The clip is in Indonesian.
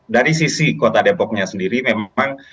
dari sisi kota depoknya sendiri memang